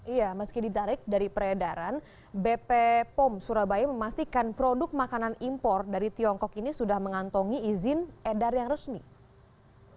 iya meski ditarik dari peredaran bp pom surabaya memastikan produk makanan impor dari tiongkok ini sudah mengantongi izin edar yang resmi